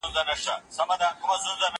زه اوس شګه پاکوم!!